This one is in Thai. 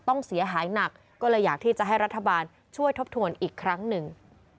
ต้องเสียหายหนักก็เลยอยากที่จะให้รัฐบาลช่วยทบทวนอีกครั้งหนึ่ง